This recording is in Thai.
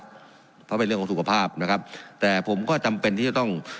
เพราะเป็นเรื่องของสุขภาพนะครับแต่ผมก็จำเป็นที่จะต้อง